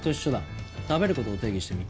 食べる事を定義してみ。